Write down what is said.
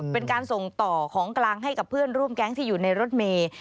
เป็นการส่งต่อของกลางให้กับเพื่อนร่วมแก๊งที่อยู่ในรถเมย์